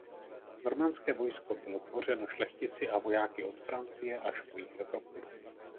Normanské vojsko bylo tvořeno šlechtici a vojáky od Francie až po jih Evropy.